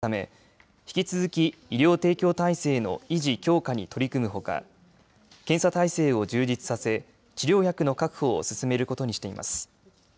政府は感染の再拡大を防ぐため引き続き医療提供体制の維持・強化に取り組むほか検査体制を充実させ治療薬の確保を進めることにしています。